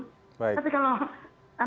tapi kalau antar sektor kemana